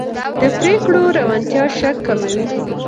د پرېکړو روڼتیا شک کموي